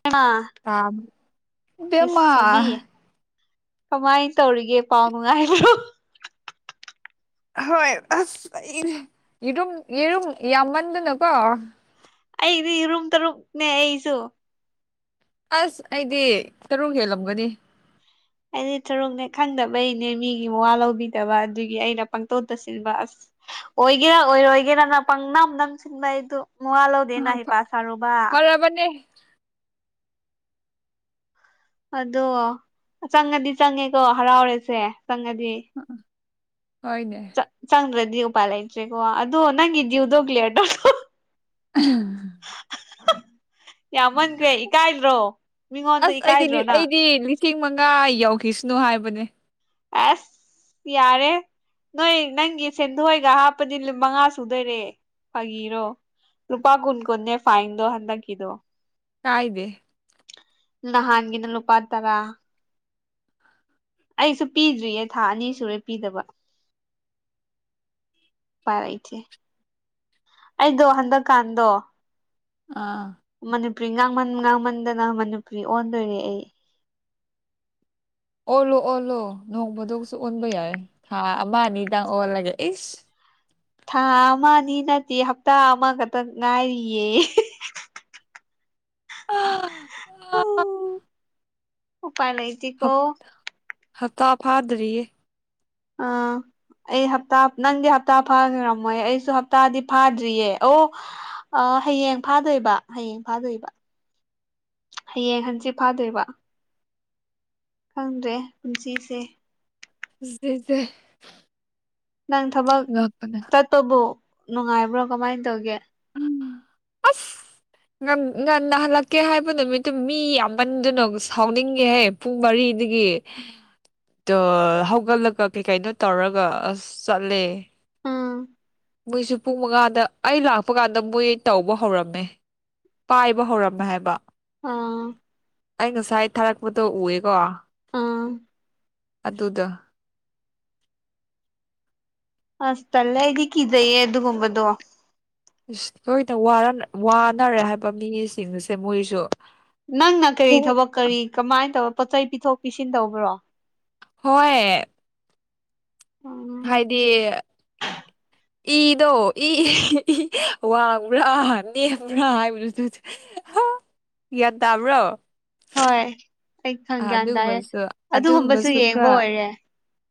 ꯐꯥꯅ‌ ꯇꯥꯕꯅꯤ ꯏꯁ ꯏꯕꯦꯝꯃ ꯁꯥꯕꯤ ꯀꯃꯥꯏꯅ ꯇꯧꯔꯤꯒꯦ ꯄꯥꯎ ꯅꯨꯡꯉꯥꯏꯕꯔ‌ꯣ ꯍꯣꯏ ꯑꯁ ꯌꯦ ꯌꯦꯔꯨꯝ ꯌꯥꯝꯃꯟꯗꯅꯀꯣ ꯑꯩꯗꯤ ꯌ‌ꯦꯔꯨꯝ ꯇꯔꯨꯛꯅꯦ ꯑꯩꯁꯨ ꯑꯁ ꯑꯩꯗꯤ ꯇꯔꯨꯛ ꯍꯦꯜꯂꯝꯒꯅꯤ ꯑꯩꯗꯤ ꯇꯔꯨꯛꯅꯦ ꯈꯪꯗꯕꯩꯅꯦ ꯃꯤꯒꯤ ꯃꯋꯥ ꯂꯧꯕꯤꯗꯕ ꯑꯗꯨꯒꯤ ꯑꯩꯅ ꯄꯪꯇꯧ ꯇꯧꯁꯤꯟꯕ ꯑꯁ ꯑꯣꯏꯒꯦꯔꯥ ꯑꯣꯏꯒꯦꯔꯥꯅ ꯄꯪꯅꯝ ꯅꯝ ꯅꯝꯁꯤꯟꯕ ꯑꯩꯗ‌ꯣ ꯃꯋꯥ ꯂꯧꯗ‌ꯦꯅ ꯍꯩꯄꯥ ꯁꯔꯨꯕ ꯔꯕꯅꯦ ꯑꯗꯣ ꯆꯪꯉꯗꯤ ꯆꯪꯉꯦꯀꯣ ꯍꯔꯥꯎꯔꯦꯁꯦ ꯆꯪꯉꯗꯤ ꯑꯥ ꯍ‌ꯣꯏꯅꯦ ꯆꯪꯗꯔꯗꯤ ꯎꯄꯥꯏ ꯂꯩꯇꯔ‌ꯦꯀ‌ꯣ ꯑꯗ‌ꯣ ꯅꯪꯒꯤ ꯗꯤꯌꯨ ꯗ‌ꯣ ꯀꯤꯂꯤꯌꯥꯔ ꯇꯧ [unintelligible] ꯌꯥꯝꯃꯟꯈꯔꯦ ꯏꯀꯥꯏꯗ꯭ꯔꯣ ꯃꯤꯉꯣꯟꯗ ꯑꯁ ꯏꯀꯥꯏꯗ꯭ꯔꯣ ꯑꯩꯗꯤ ꯅꯪ ꯑꯩꯗꯤ ꯂꯤꯁꯤꯡ ꯃꯉꯥ ꯌꯧꯈꯤꯁꯅꯨ ꯍꯥꯏꯕꯅꯦ ꯑꯁ ꯌꯥꯔꯦ ꯅꯣꯏ ꯅꯪꯒꯤ ꯁꯦꯟꯗꯣꯏꯒ ꯍꯥꯞꯄꯗꯤ ꯃꯉꯥ ꯁꯨꯗꯣꯏꯔꯦ ꯐꯥꯒꯤꯔꯣ ꯂꯨꯄꯥ ꯀꯨꯟ ꯀꯨꯟꯅꯦ ꯐꯥꯏꯟꯗꯣ ꯍꯟꯗꯛ ꯀꯤꯗꯣ ꯀꯥꯏꯗꯦ ꯅꯍꯥꯟꯒꯤꯅ ꯂꯨꯄꯥ ꯇꯔꯥ ꯑꯩꯁꯨ ꯄꯤꯗ꯭ꯔꯤꯌꯦ ꯊꯥ ꯑꯅꯤ ꯁꯨꯔꯦ ꯄꯤꯗꯕ ꯎꯄꯥꯏ ꯂꯩꯇ‌ꯦ ꯑꯩꯗꯣ ꯍꯟꯗꯛꯀꯥꯟꯗꯣ ꯑꯥ ꯃꯅꯤꯄꯨꯔꯤ ꯉꯥꯡꯃꯟ ꯉꯥꯡꯃꯟꯗꯅ ꯃꯅꯤꯄꯨꯔꯤ ꯑꯣꯟꯗꯣꯔꯦ ꯑꯩ ꯑꯣꯜꯂꯨ ꯑꯣꯜꯂꯨ ꯅꯣꯡꯐꯗ‌ꯣꯛꯁꯨ ꯑꯣꯟꯕ ꯌꯥꯏ ꯊꯥ ꯑꯃ ꯑꯅꯤꯗꯪ ꯑꯣꯜꯂꯒ ꯏꯁ ꯊꯥ ꯑꯃꯅꯤ ꯅꯠꯇꯦ ꯍꯞꯇꯥ ꯑꯃꯈꯛꯇꯪ ꯉꯥꯏꯔꯤꯌꯦ [unintelligible] ꯎꯄꯥꯥꯏ ꯂꯩꯇ‌ꯦꯀꯣ ꯍꯞꯇꯥ ꯐꯥꯗꯔꯤꯌꯦ ꯑꯥ ꯑꯩ ꯍꯞꯇꯥ ꯅꯪꯗꯤ ꯍꯞꯇꯥ ꯐꯥꯈꯔꯝꯃꯣꯏ ꯑꯩꯁꯨ ꯍꯞꯇꯥꯗꯤ ꯐꯥꯗ꯭ꯔꯤꯌꯦ ꯑꯣ ꯑ ꯍꯌꯦꯡ ꯐꯥꯗꯣꯏꯕ ꯍꯌꯦꯡ ꯐꯥꯗꯣꯏꯕ ꯍꯌꯦꯡ ꯍꯟꯁꯤ ꯐꯥꯗꯣꯏꯕ ꯈꯪꯗ꯭ꯔꯦ ꯄꯨꯟꯁꯤꯁꯦ ꯗ ꯅꯪ ꯊꯕꯛ ꯉꯛꯄꯅ ꯆꯠꯄꯕꯨ ꯅꯨꯡꯉꯥꯏꯕ꯭ꯔꯣ ꯀꯃꯥꯏꯅ ꯇꯧꯒꯦ ꯎꯝ ꯑꯁ ꯉ ꯉ ꯍꯜꯂꯛꯀꯦ ꯍꯥꯏꯕ ꯅꯨꯃꯤꯠꯇꯨ ꯃꯤ ꯌꯥꯝꯃꯟꯗꯨꯅꯣ ꯁꯥꯎꯅꯤꯡꯒꯦꯍꯦ ꯄꯨꯡ ꯃꯔꯤꯗꯒꯤ ꯑꯣ ꯍꯧꯒꯠꯂꯒ ꯀꯩ ꯀꯥꯏꯩꯅꯣ ꯇꯧꯔꯒ ꯑꯁ ꯆꯠꯂꯦ ꯎꯝ ꯃꯣꯏꯁꯨ ꯄꯨꯡ ꯃꯉꯥꯗ ꯑꯩ ꯂꯥꯛꯄ ꯀꯥꯟꯗ ꯃꯣꯏ ꯇꯧꯕ ꯍꯧꯔꯝꯃꯦ ꯄꯥꯏꯕ ꯍꯧꯔꯝꯃꯦ ꯍꯥꯏꯕ ꯑꯥ ꯑꯩ ꯉꯁꯥꯏ ꯊꯥꯔꯛꯄꯗꯣ ꯎꯑꯦꯀꯣ ꯑꯥ ꯑꯗꯨꯗ ꯑꯁ ꯇꯂ ꯏ ꯀꯗꯑꯦ ꯑꯗꯨ ꯑꯗꯨꯒꯒꯨꯝꯕꯗꯨꯣ ꯑꯩꯈꯣꯏꯅ ꯋꯥꯅꯔꯦ ꯍꯥꯏꯕ ꯃꯤꯁꯤꯡꯁꯦ ꯃꯣꯏꯁꯨ ꯅꯪꯅ ꯀꯔꯤ ꯄꯨꯡ ꯊꯕꯛ ꯀꯔꯤ ꯀꯃꯥꯏꯅ ꯇꯧꯔ ꯄꯣꯠꯆ ꯆꯩ ꯄꯤꯊꯣꯛ ꯄꯤꯁꯤꯟ ꯇꯧꯕ꯭ꯔꯣ ꯍꯣꯏ ꯎꯝ ꯍꯥꯏꯗꯤ ꯏꯗꯣ ꯏ ꯏ ꯏ ꯋꯥꯡꯕ꯭ꯔꯥ ꯅꯦꯝꯕ꯭ꯔꯥ ꯍꯥꯏꯕꯗꯨ ꯆ ꯏꯌꯥꯠ ꯇꯝ ꯔꯣ ꯍꯣꯏ ꯑꯩ ꯈꯪ ꯒ꯭ꯌꯥꯟ ꯇꯥꯔꯦ ꯑꯗꯨꯒꯨꯝꯕꯁꯨ ꯑꯗꯨꯒꯨꯝꯕꯁꯨ ꯌꯦꯡꯕ ꯈꯔ ꯑꯣꯏꯔꯦ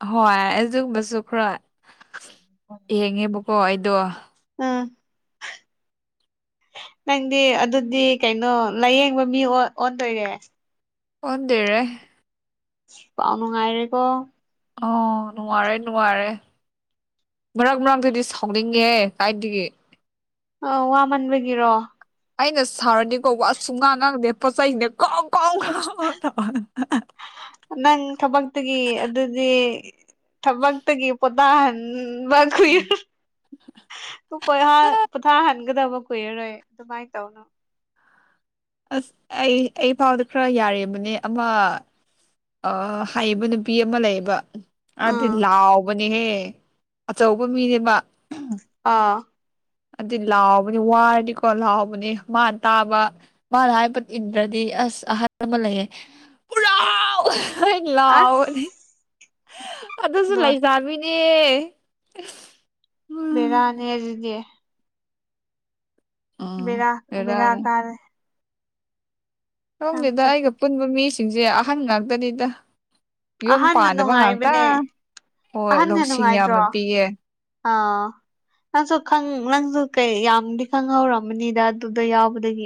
ꯍꯣꯏ ꯑꯗꯨꯒꯨꯝꯕꯁꯨ ꯈꯔ ꯌꯦꯡꯉꯦꯕꯀꯣ ꯑꯩꯗꯣ ꯎꯝ [unintelligible] ꯅꯪꯗꯤ ꯑꯗꯨꯗꯤ ꯀꯩꯅꯣ ꯂꯥꯏꯌꯦꯡꯕ ꯃꯤ ꯑꯣꯟꯗꯣꯏꯔꯦ ꯑꯣꯟꯔꯦ ꯄꯥꯎꯅ ꯉꯥꯏꯔꯦꯀꯣ ꯑꯣ ꯅꯔꯦ ꯅꯔꯦ ꯃꯔꯛ ꯃꯔꯛꯇꯗꯤ ꯁꯥꯎꯅꯤꯡꯉꯦ ꯀꯥꯏꯒ ꯑ ꯋꯥꯃꯟꯕꯒꯤꯔꯣ ꯑꯩꯅ ꯁꯥꯔꯅꯤ ꯀꯧꯕ ꯑꯁꯨ ꯉꯥꯡ ꯉꯪꯗꯦ ꯄꯣꯠ ꯆꯩꯩꯅꯦ ꯀꯥꯎ ꯀꯥꯎ ꯉꯕ ꯅꯪ ꯊꯕꯛꯇꯒꯤ ꯑꯗꯨꯗꯤ ꯊꯕꯛꯇꯒꯤ ꯄꯣꯊꯍꯟ ꯈꯏꯔꯄꯣꯏꯍꯥ ꯄꯊꯥ ꯍꯥꯏꯒꯗꯕ ꯀꯨꯏꯔꯔꯣꯏ ꯑꯗꯨꯃꯥꯏꯅ ꯇꯧꯅꯣ ꯑꯁ ꯑꯩ ꯑꯩ ꯐꯥꯎꯗ ꯈꯔ ꯌꯥꯕꯅꯦ ꯑꯃ ꯍꯥꯏꯕ ꯅꯨꯄꯤ ꯑꯃ ꯂꯩꯌꯦꯕ ꯑꯗꯨꯗꯤ ꯎꯝ ꯂꯥꯎꯕꯅꯦꯍꯦ ꯑꯆꯧꯕ ꯃꯤꯅꯦꯕ ꯑꯥ ꯑꯗꯨꯗꯤ ꯂꯥꯎꯕꯅꯤ ꯋꯥꯔꯗꯤꯀꯣ ꯂꯥꯎꯕꯅꯤ ꯃꯥꯅ ꯇꯥꯕ ꯃꯥꯅ ꯍꯥꯏꯕ ꯏꯟꯗ꯭ꯔꯗꯤ ꯑꯁ ꯑꯍꯜ ꯑꯃ ꯂꯩꯌꯦ ꯄꯨꯔꯥ [unintelligible] ꯑꯁ ꯂꯥꯎꯕꯅꯤ ꯑꯗꯨꯁꯨ ꯂꯣꯏ ꯂꯩꯁꯥꯕꯤꯅꯦ ꯎꯝ ꯕꯦꯔꯅꯦꯗꯨꯗꯤ ꯕꯤꯔꯥ ꯕꯤꯔꯥ ꯕꯦꯔꯥꯅꯦ ꯇꯥꯔꯦ ꯈꯪꯗꯦꯗ ꯅꯪꯁꯦ ꯑꯩꯒꯥ ꯄꯨꯟꯕ ꯃꯤꯁꯤꯡꯁꯦ ꯑꯍꯟ ꯉꯥꯛꯇꯅꯤꯗ ꯌꯨꯝ ꯑꯍꯟꯅ ꯄꯥꯟꯗꯕ ꯉꯥꯛꯇ ꯅꯨꯡꯉꯥꯏꯕꯅꯦ ꯍꯣꯏ ꯑꯍꯟꯅ ꯂꯧꯁꯤꯡ ꯅꯨꯡꯉꯥꯏꯇ꯭ꯔꯣ ꯌꯥꯝꯅ ꯄꯤꯌꯦ ꯑꯥ ꯅꯪꯁꯨ ꯈꯥꯡ ꯅꯪꯁꯨ ꯀꯩ ꯌꯥꯝꯗꯤ ꯈꯪꯍꯧꯔꯝꯃꯅꯤꯗ ꯑꯗꯨꯗ ꯌꯥꯎꯕꯗꯒꯤ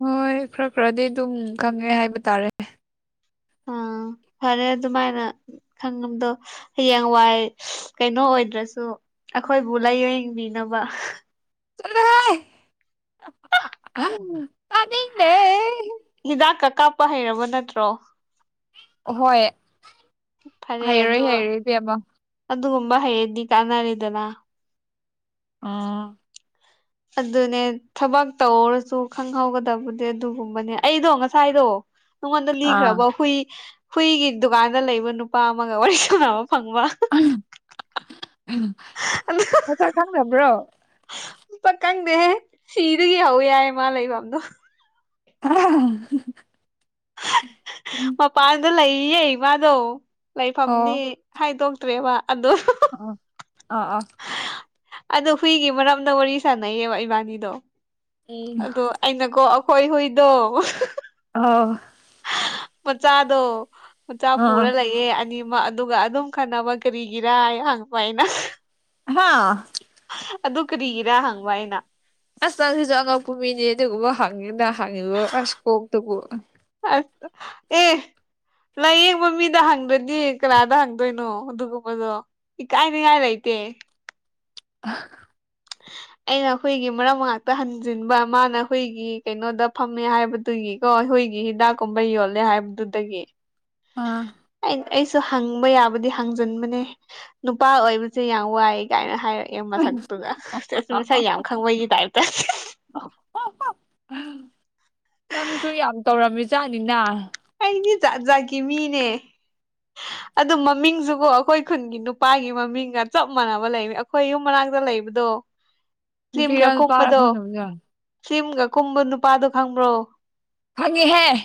ꯍꯣꯏ ꯈꯔ ꯈꯔꯗꯤ ꯑꯗꯨꯝ ꯈꯪꯉꯦ ꯍꯥꯏꯕ ꯇꯥꯔꯦ ꯑꯥ ꯐꯔꯦ ꯑꯗꯨꯃꯥꯏꯅ ꯈꯪꯉꯝꯗꯣ ꯍꯌꯦꯡꯋꯥꯏ ꯀꯩꯅꯣ ꯑꯣꯏꯗ꯭ꯔꯁꯨ ꯑꯩꯈꯣꯏꯕꯨ ꯂꯥꯏꯌꯦꯡꯕꯤꯅꯕ [unintelligible] ꯇꯅꯤꯡꯗꯦ ꯍꯤꯗꯥꯛꯀ ꯀꯥꯞꯄ ꯍꯩꯔꯕ ꯅꯠꯇ꯭ꯔꯣ ꯍꯣꯏ ꯐꯔꯦ ꯍꯩꯔꯣꯏ ꯑꯗꯣ ꯍꯩꯔꯣꯏ ꯏꯕꯦꯝꯃ ꯑꯗꯨꯒꯨꯝꯕ ꯍꯩꯔꯗꯤ ꯀꯥꯟꯅꯔꯦꯗꯅ ꯑꯥ ꯑꯗꯨꯅꯦ ꯊꯕꯛ ꯇꯧꯔꯁꯨ ꯈꯪꯍꯧꯒꯗꯕꯗꯤ ꯑꯗꯨꯒꯨꯝꯕꯅꯦ ꯑꯩꯗꯣ ꯉꯁꯥꯏꯗꯣ ꯅꯉꯣꯟꯗ ꯑꯥ ꯂꯤꯈ꯭ꯔꯕ ꯍꯨꯏ ꯍꯨꯏꯒꯤ ꯗꯨꯀꯥꯟꯗ ꯂꯩꯕ ꯅꯨꯄꯥ ꯑꯃꯒ ꯋꯥꯔꯤ ꯁꯥꯟꯅꯕ ꯐꯪꯕ ꯃꯁꯥꯛ ꯈꯪꯗꯕ꯭ꯔꯣ ꯄꯥꯀꯪꯗꯦꯍꯦ ꯁꯤꯗꯒꯤ ꯍꯧꯑꯦ ꯍꯥꯏ ꯃꯥꯥ ꯂꯩꯐꯝꯗꯣ [unintelligible] ꯃꯄꯥꯟꯗ ꯂꯩꯌꯦ ꯃꯗꯣ ꯑꯣ ꯂꯩꯐꯝꯗꯤ ꯍꯥꯏꯗꯣꯛꯇ꯭ꯔꯦꯕ ꯑꯗꯨ ꯑ ꯑ ꯑꯥ ꯑꯗꯣ ꯍꯨꯏꯒꯤ ꯃꯔꯝꯗ ꯋꯥꯔꯤ ꯁꯥꯟꯅꯩꯌꯦꯕ ꯏꯕꯥꯅꯤꯗꯣ ꯑꯗꯣ ꯑꯩꯅꯀꯣ ꯑꯩꯈꯣꯏ ꯍꯨꯏꯗꯣ ꯑꯣ ꯃꯆꯥꯗꯣ ꯃꯆꯥ ꯑꯥ ꯄꯨꯔ ꯂꯩ ꯑꯦ ꯑꯅꯤꯃꯛ ꯑꯗꯨꯒ ꯑꯗꯨꯝ ꯈꯥꯠꯅꯕ ꯀꯔꯤꯒꯤꯔꯥ ꯍꯥꯏ ꯍꯥꯡꯕ ꯑꯩꯅ ꯍꯥꯥ ꯑꯗꯨ ꯀꯔꯤꯒꯤꯔꯥ ꯍꯪꯕ ꯑꯩꯅ ꯑꯁ ꯅꯥꯡꯁꯤꯁꯨ ꯑꯉꯛꯄ ꯃꯤꯅꯦ ꯑꯗꯨꯒꯨꯝꯕ ꯍꯥꯡꯉꯤꯅ ꯍꯥꯡꯉꯤꯕ ꯑꯁ ꯀꯣꯛꯇꯨꯕꯨ ꯑꯁ ꯑꯦ ꯂꯥꯏꯌꯦꯡꯕ ꯃꯤꯗ ꯍꯥꯡꯗ꯭꯭ꯔꯗꯤ ꯀꯅꯥꯗ ꯍꯪꯗꯣꯏꯅꯣ ꯑꯗꯨꯒꯨꯝꯕꯗꯣ ꯏꯀꯥꯏ ꯅꯤꯉꯥꯏ ꯂꯩꯇꯦ ꯑ [inaudible] ꯑꯩꯅ ꯍꯨꯏꯒꯤ ꯃꯔꯝ ꯉꯥꯛꯇ ꯍꯟꯖꯤꯟꯕ ꯃꯥꯅ ꯍꯨꯏꯒꯤ ꯀꯩꯅꯣꯗ ꯐꯝꯃꯦ ꯍꯥꯏꯕꯗꯨꯒꯤ ꯑꯣ ꯍꯨꯏꯒꯤ ꯍꯤꯗꯥꯛꯒꯨꯝꯕ ꯌꯣꯜꯂꯦ ꯍꯥꯏꯕꯗꯨꯗꯒꯤ ꯑꯥ ꯑꯩ ꯑꯩꯁꯨ ꯍꯪꯕ ꯌꯥꯕꯗꯤ ꯍꯥꯡꯖꯟꯕꯅꯦ ꯅꯨꯄꯥ ꯑꯣꯏꯕꯁꯦ ꯌꯥꯝ ꯋꯥꯏ ꯀꯥꯏꯅ ꯍꯥꯏꯔꯛꯦ ꯑ ꯃꯁꯛꯇꯨꯒ [unintelligible] ꯃꯁꯛ ꯌꯥꯝ ꯈꯪꯕꯒꯤ ꯇꯥꯏꯞꯇ ꯅꯪꯁꯨ ꯌꯥꯝ ꯇꯧꯔꯝꯃꯤꯖꯥꯠꯅꯤꯅ ꯑꯩꯗꯤ ꯖꯠ ꯖꯠꯀꯤ ꯃꯤꯅꯦ [inaudible] ꯑꯗꯨ ꯃꯃꯤꯡꯁꯨꯀꯣ ꯑꯩꯈꯣꯏ ꯈꯨꯟꯒꯤ ꯅꯨꯄꯥꯒꯤ ꯃꯃꯤꯡꯒ ꯆꯞ ꯃꯥꯟꯅꯕ ꯂꯩ ꯑꯩꯈꯣꯏ ꯌꯨꯝ ꯃꯅꯥꯛꯇ ꯂꯩꯕꯗꯣ ꯅꯨꯄꯤꯔ ꯅꯨꯄꯥꯔ ꯈꯪꯗꯕꯒꯤꯔꯣ ꯁꯤꯝꯒ ꯀꯨꯝꯕ ꯅꯨꯄꯥꯗꯣ ꯈꯪꯕ꯭ꯔꯣ ꯐꯪꯉꯦꯍꯦ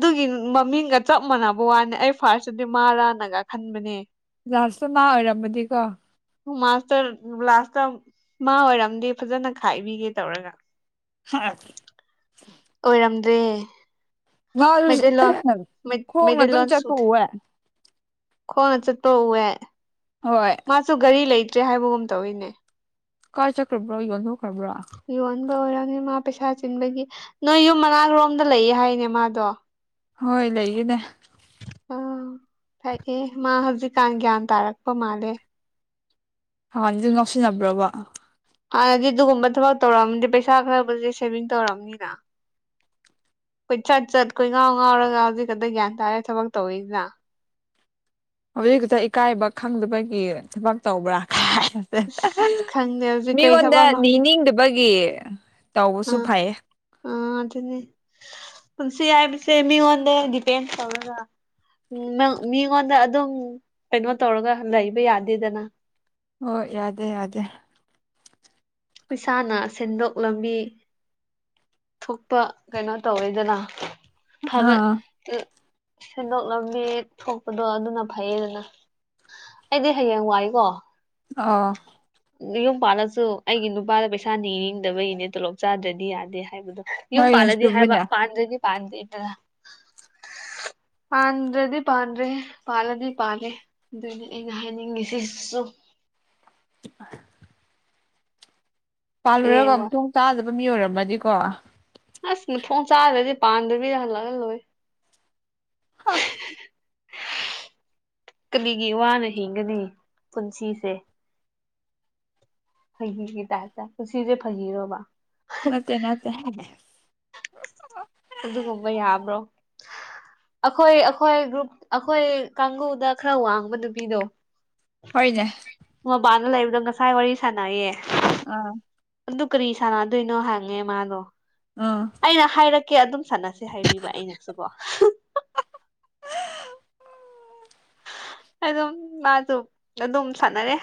ꯑꯗꯨꯒꯤ ꯃꯃꯤꯡꯒ ꯆꯞ ꯃꯥꯟꯅꯕ ꯋꯥꯅꯤ ꯑꯩ ꯐꯥꯔꯁꯇꯗꯤ ꯃꯥꯔꯅꯒ ꯈꯟꯕꯅꯦ ꯂꯥꯁꯇ ꯃꯥ ꯑꯣꯏꯔꯝꯃꯗꯤꯀꯣ ꯃꯥꯁꯇꯔ ꯂꯥꯁꯇ ꯃꯥ ꯑꯣꯏꯔꯝꯗꯤ ꯐꯖꯅ ꯈꯥꯏꯕꯤꯒꯦ ꯇꯧꯔꯒ ꯍꯥ ꯑꯣꯏꯔꯝꯗ꯭ꯔꯦ ꯃꯥꯁꯨ ꯃꯩꯇꯩꯂꯣꯟ ꯈꯣꯡꯅ ꯑꯗꯨꯝ ꯃꯩꯇꯩꯂꯣꯟ ꯆꯠꯄ ꯁꯨꯗꯦ ꯎꯋꯦ [unintelligible] ꯍꯣꯏ ꯃꯥꯁꯨ ꯒꯥꯔꯤ ꯂꯩꯇ꯭ꯔꯦ ꯍꯥꯏꯕꯒꯨꯝ ꯇꯧꯋꯤꯅꯦ ꯀꯥꯏ ꯆꯠꯈ꯭ꯔꯕ꯭ꯔ ꯌꯣꯟꯊꯣꯛꯈ꯭ꯔꯕ꯭ꯔ ꯌꯣꯟꯕ ꯑꯣꯏꯔꯝꯅꯤ ꯃꯥ ꯄꯩꯁꯥ ꯆꯤꯟꯕꯒꯤ ꯅꯣꯏ ꯌꯨꯝ ꯃꯅꯥꯛꯔꯣꯝꯗ ꯂꯩꯌꯦ ꯍꯥꯏꯅꯦ ꯃꯥꯗꯣ ꯍꯣꯏ ꯂꯩꯌꯦꯅꯦ ꯑꯣ ꯐꯥꯏꯑ ꯃꯥ ꯍꯧꯖꯤꯛꯀꯥꯟ ꯒ꯭ꯌꯥꯟ ꯇꯥꯔꯛꯄ ꯃꯥꯜꯂꯦ ꯍꯥꯟꯗꯤ ꯉꯥꯎꯁꯤꯟꯅꯕ꯭ꯔꯕ ꯍꯥꯟꯅꯗꯤ ꯑꯗꯨꯒꯨꯝꯕ ꯊꯕꯛ ꯇꯧꯔꯛꯑꯗꯤ ꯄꯩꯁꯥ ꯈꯔꯕꯨꯗꯤ ꯁꯦꯚꯤꯡ ꯇꯧꯔꯝꯅꯤꯅ ꯀꯣꯏꯆꯠ ꯆꯠ ꯀꯣꯏꯉꯥꯎ ꯉꯥꯎꯔꯒ ꯍꯧꯖꯤꯛ ꯈꯛꯇ ꯒ꯭ꯌꯥꯟ ꯇꯥꯔꯦ ꯊꯕꯛ ꯇꯧꯋꯤꯁꯤꯅ ꯍꯧꯖꯤꯛ ꯈꯛꯇ ꯏꯀꯥꯏꯕ ꯈꯪꯗꯕꯒꯤ ꯊꯕꯛ ꯇꯧꯕ꯭ꯔꯥ ꯑꯁ ꯈꯪꯗꯦ ꯍꯧꯖꯤꯛ ꯀꯔꯤ ꯃꯤꯉꯣꯟꯗ ꯊꯕꯛꯅꯣ ꯅꯤꯅꯤꯡꯗꯕꯒꯤ ꯇꯧꯕꯁꯨ ꯐꯩꯌꯦ ꯑ ꯑꯗꯨꯅꯦ ꯄꯨꯟꯁꯤ ꯍꯥꯏꯕꯁꯦ ꯃꯤꯉꯣꯟꯗ ꯗꯤꯄꯦꯟ ꯇꯧꯔꯒ ꯅꯪ ꯃꯤꯉꯣꯟꯗ ꯑꯗꯨꯝ ꯀꯩꯅꯣ ꯇꯧꯔꯒ ꯂꯩꯕ ꯌꯥꯗꯦꯗꯅ ꯍꯣꯏ ꯌꯥꯗꯦ ꯌꯥꯗꯦ ꯄꯩꯁꯥꯅ ꯁꯦꯟꯗꯣꯛ ꯂꯝꯕꯤ ꯊꯣꯛꯄ ꯀꯩꯅꯣ ꯇꯧꯋꯤꯗꯅ ꯐꯕ ꯑꯥ ꯁꯦꯟꯗꯣꯛ ꯂꯝꯕꯤ ꯊꯣꯛꯄꯗꯣ ꯑꯗꯨꯅ ꯐꯩꯌꯦꯗꯅ꯫ ꯑꯩꯗꯤ ꯍꯌꯦꯡꯋꯥꯏꯀꯣ ꯑ ꯌꯨꯝ ꯄꯥꯜꯂꯁꯨ ꯑꯩꯒꯤ ꯅꯨꯄꯥꯗ ꯄꯩꯁꯥ ꯅꯤꯅꯤꯡꯗꯕꯒꯤꯅꯦ ꯇꯣꯂꯣꯞ ꯆꯥꯗ꯭ꯔꯗꯤ ꯌꯥꯗꯦ ꯍꯥꯏꯕꯗꯣ ꯌꯨꯝ ꯍꯣꯏ ꯄꯥꯂꯗꯤ ꯍꯥꯏꯕ ꯆꯨꯝꯃꯤꯅꯦ ꯄꯥꯟꯗꯗꯤ ꯄꯥꯟꯗꯦꯗ꯭ꯔ [inaudible] ꯄꯥꯟꯗꯗꯤ ꯄꯥꯟꯗꯔ꯭ꯦ ꯄꯥꯂꯗꯤ ꯄꯥꯜꯂꯦ ꯑꯗꯨꯅꯤ ꯑꯩꯅ ꯍꯥꯏꯅꯤꯡꯉꯤꯁꯤꯁꯨ [unintelligible] ꯄꯥꯜꯂꯨꯔꯒ ꯍꯌꯦꯡꯋꯥꯏ ꯃꯊꯣꯡ ꯆꯥꯗꯕ ꯃꯤ ꯑꯣꯏꯔꯝꯃꯗꯤꯀꯣ ꯑꯁ ꯃꯊꯣꯡ ꯆꯥꯗ꯭ꯔꯗꯤ ꯄꯥꯟꯗꯕꯤꯗ ꯍꯜꯂꯛꯑꯒꯂꯣꯏꯔꯦ ꯀꯔꯤꯒꯤ ꯋꯥꯅ ꯍꯤꯡꯒꯅꯤ ꯄꯨꯟꯁꯤꯁꯦ ꯐꯒꯤꯒꯤ ꯇꯥꯏꯞꯇ ꯄꯨꯟꯁꯤꯁꯦ ꯐꯒꯤꯔꯣꯕ ꯅꯠꯇꯦ ꯅꯠꯇꯦ ꯑꯗꯨꯒꯨꯝꯕ ꯌꯥꯕ꯭ꯔꯣ ꯑꯩꯈꯣꯏ ꯑꯩꯈꯣꯏ ꯒ꯭ꯔꯨꯞ ꯑꯩꯈꯣꯏ ꯀꯥꯡꯕꯨꯗ ꯈꯔ ꯋꯥꯡꯕ ꯅꯨꯄꯤꯗꯣ ꯍꯣꯏꯅꯦ ꯃꯄꯥꯟꯗ ꯂꯩꯕꯗꯣ ꯉꯁꯥꯏ ꯋꯥꯔꯤ ꯁꯥꯟꯅꯩꯌꯦ ꯑꯥ ꯑꯗꯨ ꯀꯔꯤ ꯁꯥꯟꯅꯗꯣꯏꯅꯣ ꯍꯪꯉꯦ ꯃꯥꯗꯣ ꯑꯥ ꯑꯩꯅ ꯍꯥꯏꯔꯛꯀꯦ ꯑꯗꯨꯝ ꯁꯅꯁꯦ ꯍꯥꯏꯕꯤꯕ ꯑꯩꯅꯁꯨꯀꯣ ꯑꯗꯨꯝ ꯃꯥꯗꯣ ꯑꯗꯨꯝ ꯁꯥꯟꯅꯔꯦ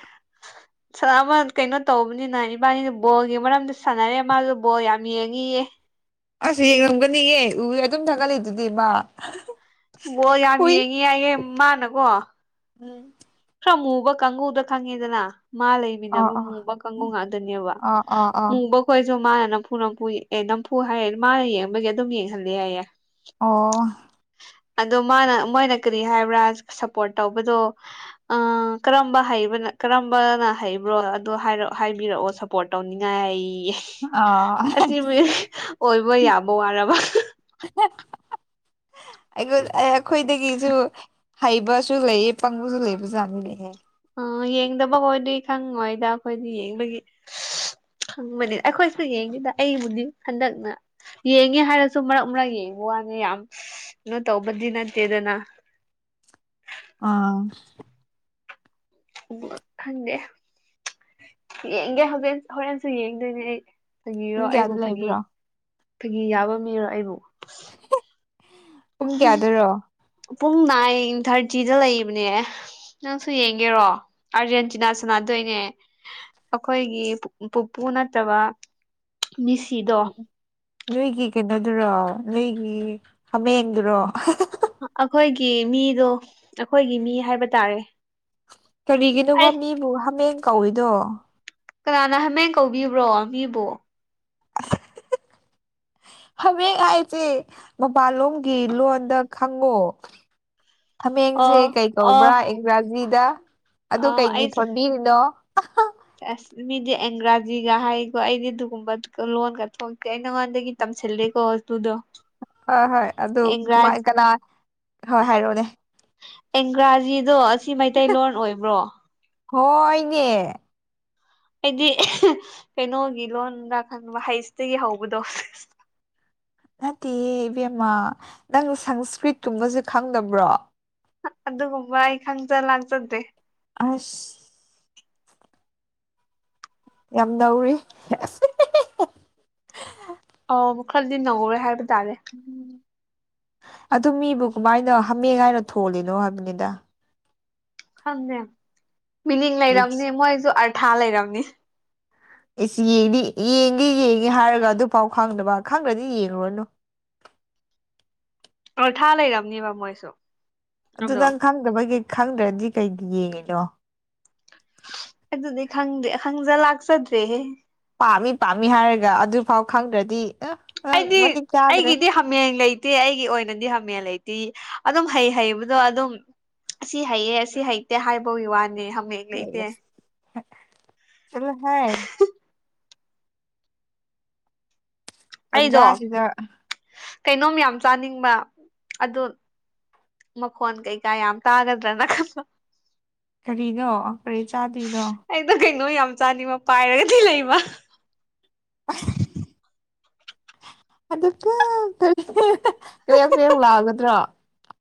[inaudible] ꯑꯃ ꯀꯩꯅꯣ ꯇꯧꯕꯅꯤꯅ ꯏꯕꯥꯅꯤ ꯕꯣꯜꯒꯤ ꯃꯔꯝꯗ ꯁꯥꯟꯅꯔꯦ ꯃꯥꯁꯨ ꯕꯣꯜ ꯌꯥꯝ ꯌꯦꯡꯉꯤꯌꯦ ꯑꯁ ꯌꯦꯡ ꯉꯝꯒꯅꯤꯌꯦ ꯎꯋꯦ ꯑꯗꯨꯝ ꯊꯥꯒꯠꯂꯤꯗꯨꯗꯤ ꯃꯥ ꯕ‌ꯣ ꯌꯥꯝ ꯍꯨꯏ ꯌꯦꯡꯉꯤ ꯌꯥꯌꯦ ꯃꯥꯅꯀꯣ ꯎ ꯈꯔ ꯃꯨꯕ ꯀꯥꯡꯉꯨꯗ ꯈꯪꯉꯤꯗꯅ ꯃꯥ ꯂꯩ ꯑꯥ ꯑꯃ ꯑꯥ ꯃꯨꯕ ꯀꯥꯡꯕꯨ ꯉꯥꯛꯇꯅꯦꯕ ꯑꯥ ꯑꯥ ꯑꯥ ꯃꯨꯕ ꯑꯩꯈꯣꯏꯁꯨ ꯃꯥꯅ ꯅꯝꯐꯨ ꯅꯝꯐꯨ ꯑꯦ ꯅꯝꯐꯨ ꯍꯥꯏꯌ‌ꯦ ꯃꯥꯅ ꯌꯦꯡꯕꯒꯤ ꯑꯗꯨꯝ ꯌꯦꯡꯍꯜꯂꯦ ꯍꯥꯏꯌꯦ ꯑꯣ ꯑꯗꯣ ꯃꯥꯅ ꯃꯣꯏꯅ ꯀꯔꯤ ꯍꯥꯏꯕ꯭ꯔꯥ ꯁꯞꯄꯣꯔꯠ ꯇꯧꯕꯗꯣ ꯑ ꯀꯝꯕꯅ ꯍꯩꯕꯅ ꯀꯔꯝꯕꯅ ꯍꯩꯕ꯭ꯔꯣ ꯑꯗꯨ ꯍꯥꯏꯔ‌ꯣ ꯍꯥꯏꯕꯤꯔꯛꯑꯣ ꯁꯄꯣꯔꯠ ꯇꯧꯅꯤꯡꯉꯥꯏ ꯑꯥ ꯑꯁꯤꯕꯨ ꯑꯣꯏꯕ ꯌꯥꯕ ꯋꯥꯔꯕ ꯑꯩ ꯑꯩꯈꯣꯏꯗꯒꯤꯁꯨ ꯍꯩꯕꯁꯨ ꯂꯩꯌꯦ ꯄꯪꯕꯁꯨ ꯂꯩꯕ ꯖꯥꯠꯅ‌ꯦ ꯂꯩꯍꯧ ꯎꯝ ꯌꯦꯡꯗꯕ ꯑꯣꯏꯗꯤ ꯈꯪꯉꯣꯏꯗ ꯑꯩꯈꯣꯏꯗꯤ ꯌꯦꯡꯕꯒꯤ ꯈꯪꯕꯅꯤ ꯑꯩꯈꯣꯏꯁꯨ ꯌꯦꯡꯒꯦꯗ ꯑꯩꯕꯨꯗꯤ ꯍꯟꯗꯛꯅ ꯌꯦꯡꯉꯦ ꯍꯥꯏꯔꯁꯨ ꯃꯔꯛ ꯃꯔꯛ ꯌꯦꯡꯕ ꯋꯥꯅꯤ ꯌꯥꯝ ꯀꯩꯅꯣ ꯇꯧꯕꯗꯤ ꯅꯠꯇꯦꯗꯅ ꯑꯥ ꯎ ꯈꯪꯗꯦ ꯌꯦꯡꯒꯦ ꯍꯧꯔ‌ꯦꯟ ꯍꯣꯔꯦꯟꯁꯨ ꯌꯦꯡꯗꯣꯏꯅꯦ ꯑꯩ ꯐꯥꯒꯤꯔꯣ ꯄꯨꯡ ꯑꯩꯕꯨ ꯀꯌꯥꯗ ꯐꯥꯒꯤ ꯂꯩꯕ꯭ꯔꯣ ꯐꯥꯒꯤ ꯌꯥꯕ ꯃꯤꯔꯣ ꯑꯩꯕꯨ [unintelligible] ꯄꯨꯡ ꯅꯥꯏꯟ ꯊꯥꯔꯇꯤꯗ ꯂꯩꯕꯅꯦ ꯅꯪꯁꯨ ꯌꯦꯡꯒꯦꯔꯣ ꯑꯥꯔꯖꯦꯟꯇꯤꯅꯥ ꯁꯥꯟꯅꯗꯣꯏꯅꯦ ꯑꯩꯈꯣꯏꯒꯤ ꯄꯨꯄꯨ ꯅꯠꯇꯕ ꯃꯤꯁꯤꯗꯣ ꯅꯣꯏꯒꯤ ꯀꯩꯅꯣꯗꯨꯔꯣ ꯅꯣꯏꯒꯤ ꯍꯥꯃꯦꯡꯗꯨꯔꯣ ꯑꯩꯈꯣꯏꯒꯤ ꯃꯤꯗꯣ ꯑꯩꯈꯣꯏꯒꯤ ꯃꯤ ꯍꯥꯏꯕ ꯇꯥꯔꯦ ꯀꯔꯤꯒꯤꯅꯣꯕ ꯑꯩ ꯃꯤꯕꯨ ꯍꯥꯃꯦꯡ ꯀꯧꯔꯤꯗꯣ ꯀꯅꯥꯅ ꯍꯥꯃꯦꯡ ꯀꯧꯕꯤꯕ꯭ꯔꯣ ꯃꯤꯕ‌ꯣ ꯍꯕꯦꯛ ꯍꯥꯏꯁꯦ ꯃꯄꯥꯟꯂꯣꯝꯒꯤ ꯂꯣꯟꯗ ꯈꯪꯉꯣ ꯍꯥꯃꯦꯡꯁꯦ ꯑꯣ ꯀꯩ ꯑꯣ ꯀꯧꯕ꯭ꯔꯥ ꯏꯪꯒ꯭ꯔꯥꯖꯤꯗ ꯑꯗꯨ ꯀꯩꯒꯤ ꯊꯣꯟꯕꯤꯔꯤꯅꯣ ꯁ‌ꯦꯁ ꯃꯤꯗꯤ ꯑꯦꯡꯒ꯭ꯔꯥꯖꯤꯒ ꯍꯥꯏꯀꯣ ꯑꯩꯗꯤ ꯑꯗꯨꯒꯨꯝꯕ ꯂꯣꯟꯒ ꯊꯣꯛꯇꯦ ꯑꯩ ꯅꯉꯣꯟꯗꯒꯤ ꯇꯝꯁꯤꯜꯂ‌ꯦꯀ‌ꯣ ꯍꯣꯏ ꯍꯣꯏ ꯑꯗꯨ ꯀꯃꯥꯏꯅ ꯀꯅꯥ ꯍꯣꯏ ꯍꯥꯏꯔꯣꯅꯦ ꯑꯦꯡꯒ꯭ꯔꯥꯖꯤꯗꯣ ꯑꯁꯤ ꯃꯩꯇꯩꯂꯣꯟ ꯑꯣꯏꯕ꯭ꯔꯣ ꯍꯣꯏꯅꯦ ꯍꯥꯏꯗꯤ ꯀꯩꯅꯣꯒꯤ ꯂꯣꯟꯗ ꯈꯟꯕ ꯍꯩꯁꯇꯒꯤ ꯍꯧꯕꯗꯣ ꯅꯠꯇꯤꯌ‌ꯦ ꯏꯕꯦꯝꯃꯥ ꯅꯪ ꯁꯪꯁꯀ꯭ꯔꯤꯠ ꯀꯨꯝꯕꯖꯤ ꯈꯪꯗꯕ꯭ꯔꯣ ꯑꯗꯨꯒꯨꯝꯕ ꯑꯩ ꯈꯪꯖ ꯂꯥꯛꯆꯗꯦ ꯑꯁ ꯌꯥꯝ ꯅꯧꯔꯤ ꯑꯧ ꯈꯔꯗꯤ ꯅꯧꯔꯦ ꯍꯥꯏꯕ ꯇꯥꯔꯦ ꯑꯗꯨ ꯃꯤꯕꯨ ꯀꯃꯥꯏꯅ ꯍꯥꯃꯦꯡ ꯍꯥꯏꯅ ꯊꯣꯜꯂꯤꯅꯣ ꯍꯥꯏꯕꯅꯤꯗ ꯈꯟꯗꯦ ꯃꯤꯅꯤꯡ ꯏꯁ ꯂꯩꯔꯝꯅꯤ ꯃꯣꯏꯁꯨ ꯑꯔꯊꯥ ꯂꯩꯔꯝꯅꯤ ꯑꯦꯁ ꯌꯦꯡꯅꯤ ꯌꯦꯡꯒꯦ ꯌꯦꯡꯉꯦ ꯍꯥꯏꯔꯒ ꯑꯗꯨꯐꯥꯎ ꯈꯪꯗꯕ ꯈꯪꯗ꯭ꯔꯗꯤ ꯌꯦꯡꯉꯨꯔꯅꯨ ꯑꯣꯔꯊꯥ ꯂꯩꯔꯝꯅꯤꯕ ꯃꯣꯏꯁꯨ ꯑꯗꯨ ꯑꯗꯣ ꯅꯪ ꯈꯪꯗꯕꯒꯤ ꯈꯪꯗ꯭ꯔꯗꯤ ꯀꯩꯒꯤ ꯌꯦꯡꯉꯤꯅꯣ ꯑꯗꯨꯗꯤ ꯈꯪꯗꯦ ꯈꯪꯖ ꯂꯥꯛꯆꯗ꯭ꯔꯦꯍꯦ ꯄꯥꯝꯃꯤ ꯄꯥꯝꯃꯤ ꯍꯥꯏꯔꯒ ꯑꯗꯨꯐꯥꯎ ꯈꯪꯗ꯭ꯔꯗꯤ ꯑ ꯅꯪ ꯑꯩꯗꯤ ꯃꯇꯤꯛ ꯆꯥꯗ꯭ꯔꯦ ꯑꯩꯒꯤꯗꯤ ꯍꯥꯃꯦꯡ ꯂꯩꯇꯦ ꯑꯩꯒꯤ ꯑꯣꯏꯅꯗꯤ ꯍꯥꯃꯦꯡ ꯂꯩꯇꯦ ꯑꯗꯨꯝ ꯍꯩ ꯍꯩꯕꯗꯣ ꯑꯗꯨꯝ ꯑꯁꯤ ꯍꯩꯌꯦ ꯑꯁꯤ ꯍꯩꯇꯦ ꯍꯥꯏꯕꯒꯤ ꯋꯥꯅꯦ ꯍꯥꯃꯦꯡ ꯂꯩꯇꯦ ꯆꯠꯂ‌ꯣ ꯍ‌ꯣꯏ ꯑꯩꯗꯣ ꯇꯟꯖꯥꯁꯤꯗ ꯀꯩꯅꯣꯝ ꯌꯥꯝ ꯆꯥꯅꯤꯡꯕ ꯑꯗꯨꯠ ꯃꯈꯣꯟ ꯀꯩꯀꯥ ꯌꯥꯝ ꯇꯥꯒꯗ꯭ꯔꯅꯂ ꯀꯔꯤꯗꯣ ꯀꯔꯤ ꯆꯥꯗ꯭ꯣꯏꯅꯣ ꯑꯩꯗꯣ ꯀꯩꯅꯣ ꯌꯥꯝ ꯆꯥꯅꯤꯡꯕ ꯄꯥꯏꯔꯒꯗꯤ ꯂꯩꯕ ꯑ ꯑꯗꯨ ꯀꯔꯤ ꯀꯌꯥꯝ ꯀꯌꯥꯝ ꯂꯥꯛꯒꯗ꯭ꯔꯣ